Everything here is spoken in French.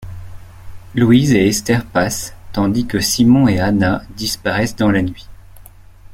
Louise et Esther passent, tandis que Simon et Hannah disparaissent dans la nuit.